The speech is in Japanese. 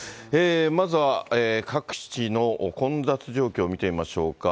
まずは各地の混雑状況見てみましょうか。